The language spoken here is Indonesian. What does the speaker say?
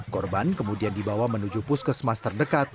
korban kemudian dibawa menuju puskesmas terdekat